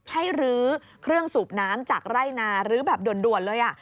ลื้อเครื่องสูบน้ำจากไร่นารื้อแบบด่วนเลย